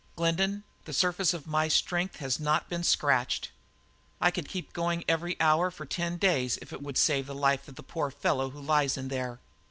"Glendin, the surface of my strength has not been scratched; I could keep going every hour for ten days if it would save the life of the poor fellow who lies in there."